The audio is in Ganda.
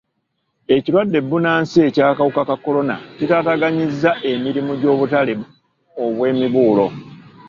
Ekirwadde bbunansi eky'akawuka ka kolona kitaataaganyizza emirimu gy'obutale obw'emibuulo.